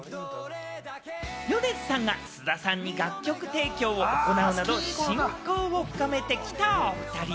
米津さんが菅田さんに楽曲提供を行うなど親交を深めてきたおふたり。